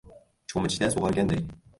Cho‘michda sug‘organday.